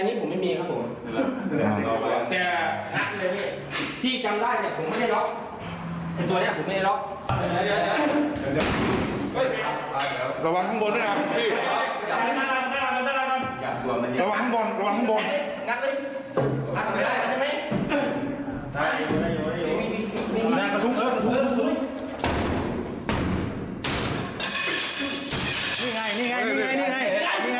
นี่ไงนี่ไงนี่ไง